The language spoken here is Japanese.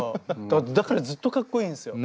だからずっとかっこいいんですよ。